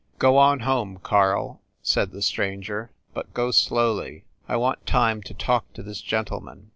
"Go on home, Karl," said the stranger, "but go slowly; I want time to talk to this gentleman."